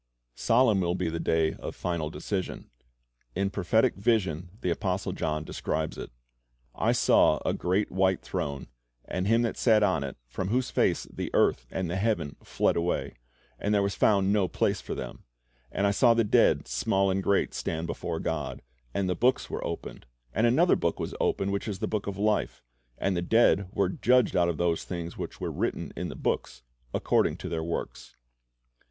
Solemn will be the day of final decision. In prophetic vision the apostle John describes it: "I saw a great white throne, and Him that sat on it, from whose face the earth and the heaven fled away; and there was found no place for them. And I saw the dead, small and great, stand before God; and the books were opened; and another book was opened, which is the book of life; and the dead were judged out of those things which were written in the books, according to their works.